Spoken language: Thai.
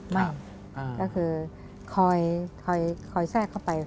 ไม่ก็คือคอยแทรกเข้าไป